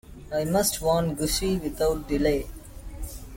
I must warn Gussie without delay.